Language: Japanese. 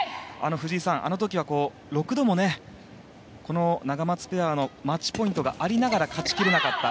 藤井さん、あの時は６度もナガマツペアのマッチポイントがありながら勝ちきれなかった。